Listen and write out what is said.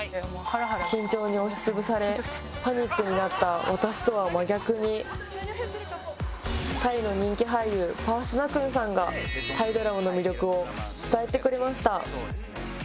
緊張に押し潰されパニックになった私とは真逆にタイの人気俳優パース・ナクンさんがタイドラマの魅力を伝えてくれました。